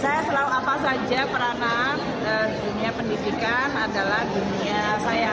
saya selalu apa saja peranan dunia pendidikan adalah dunia saya